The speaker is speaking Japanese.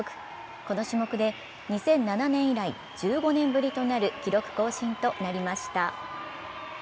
この種目で２００７年以来１５年ぶりとなる記録更新となりました。